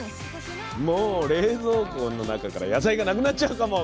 もう冷蔵庫の中から野菜がなくなっちゃうかも。